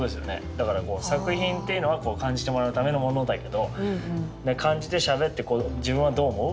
だからこう作品っていうのはこう感じてもらうためのものだけど感じてしゃべって「自分はどう思う？」